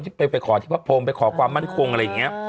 ไปขอที่พระพรมไปขอความมั่นคงอะไรอย่างนี้